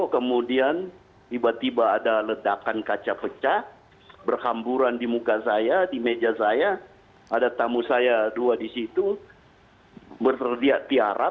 kedua anggota dpr tersebut juga tidak mengalami luka